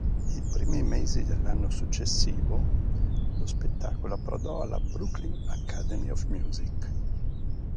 I primi mesi dell'anno successivo lo spettacolo approdò alla Brooklyn Academy of Music.